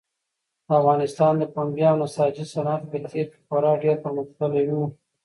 د افغانستان د پنبې او نساجي صنعت په تېر کې خورا ډېر پرمختللی و.